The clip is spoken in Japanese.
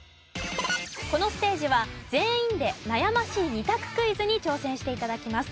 このステージは全員で悩ましい２択クイズに挑戦して頂きます。